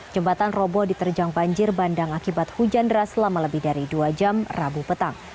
jembatan roboh diterjang banjir bandang akibat hujan deras selama lebih dari dua jam rabu petang